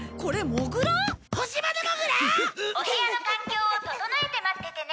「お部屋の環境を整えて待っててね」